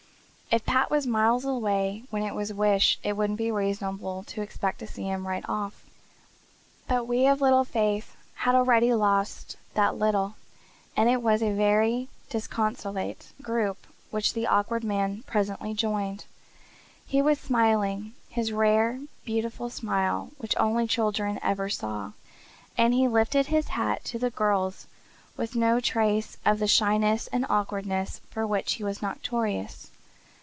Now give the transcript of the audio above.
"If Pat was miles away when it was wished it wouldn't be reasonable to expect to see him right off." But we of little faith had already lost that little, and it was a very disconsolate group which the Awkward Man presently joined. He was smiling his rare, beautiful smile which only children ever saw and he lifted his hat to the girls with no trace of the shyness and awkwardness for which he was notorious.